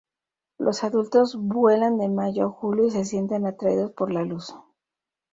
Los adultos vuelan de mayo a julio y se sienten atraídos por la luz.